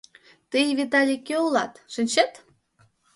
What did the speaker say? Тый, Виталий, кӧ улат, шинчет?